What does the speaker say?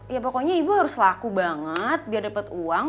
ya pokoknya ibu harus laku banget biar dapat uang